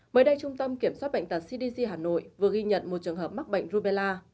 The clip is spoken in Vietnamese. mới đây trung tâm kiểm soát bệnh tật cdc hà nội vừa ghi nhận một trường hợp mắc bệnh rubella